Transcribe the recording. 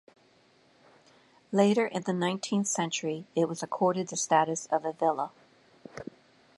Later in the nineteenth century it was accorded the status of a "Villa".